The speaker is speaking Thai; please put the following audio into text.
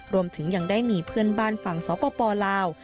รวมถึงยังได้มีเพื่อนบ้านฝั่งสปลาว